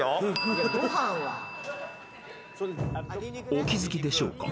［お気付きでしょうか？］